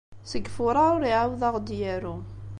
Seg Fuṛaṛ ur iɛawed ad aɣ-d-yaru.